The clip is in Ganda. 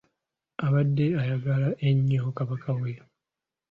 Abadde ayagala ennyo Kabaka we.